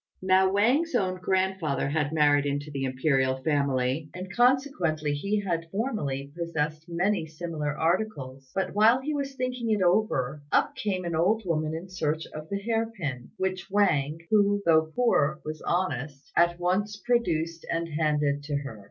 Now Wang's own grandfather had married into the Imperial family, and consequently he had formerly possessed many similar articles; but while he was thinking it over up came an old woman in search of the hair pin, which Wang, who though poor was honest, at once produced and handed to her.